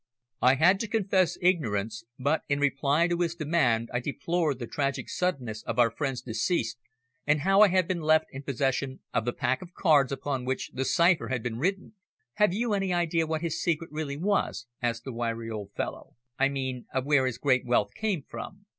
I had to confess ignorance, but in reply to his demand I deplored the tragic suddenness of our friend's decease, and how I had been left in possession of the pack of cards upon which the cipher had been written. "Have you any idea what his secret really was?" asked the wiry old fellow. "I mean of where his great wealth came from?"